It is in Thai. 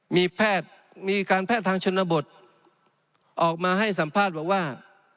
มีแพทย์มีการแพทย์ทางชนบทออกมาให้สัมภาษณ์บอกว่า